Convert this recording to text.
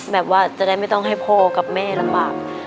แบบว่าจะได้ไม่ต้องให้พ่อกับแม่ลำบาก